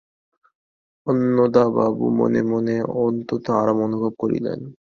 অন্নদাবাবু মনে মনে অত্যন্ত আরাম অনুভব করিলেন।